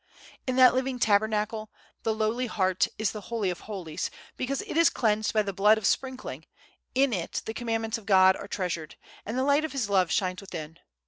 In that living Tabernacle, the lowly heart is the Holy of holies, because it is cleansed by the blood of sprinkling, in it the Commandments of God are treasured, and the light of His love shines within.